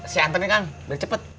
siantek nih kang udah cepet